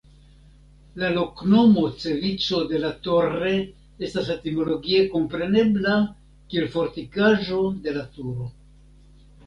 La loknomo "Cevico de la Torre" estas etimologie komprenebla kiel Fortikaĵo de la Turo.